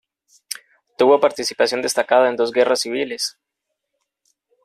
Tuvo participación destacada en dos guerras civiles.